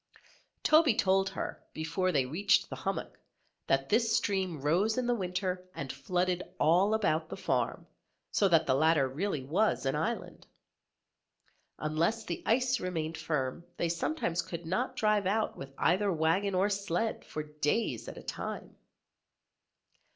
Toby told her, before they reached the hummock, that this stream rose in the winter and flooded all about the farm, so that the latter really was an island. Unless the ice remained firm they sometimes could not drive out with either wagon or sled for days at a time.